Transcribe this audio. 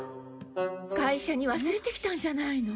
会社に忘れてきたんじゃないの？